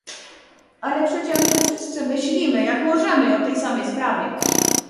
"Ale przecie my tu wszyscy myślimy, jak możemy, o tej samej sprawie."